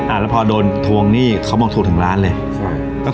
แล้วพอโดนทวงหนี้เขาบอกถูกถึงร้านเลยใช่